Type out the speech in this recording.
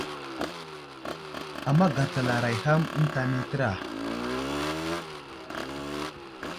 Ama gatsalaray ham eŋta nay təra.